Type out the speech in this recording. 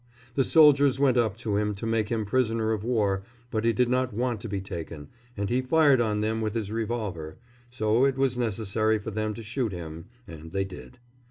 The soldiers went up to him to make him prisoner of war, but he did not want to be taken, and he fired on them with his revolver. So it was necessary for them to shoot him, and they did.